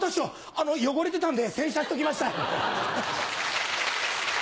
あの汚れてたんで洗車しときました。